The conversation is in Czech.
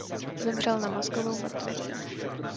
Zemřel na mozkovou mrtvici.